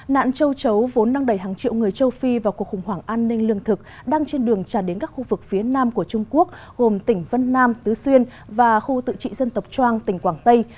nạn châu chấu vốn năng đầy hàng triệu người châu phi vào cuộc khủng hoảng an ninh lương thực đang trên đường tràn đến các khu vực phía nam của trung quốc gồm tỉnh vân nam tứ xuyên và khu tự trị dân tộc trang tỉnh quảng tây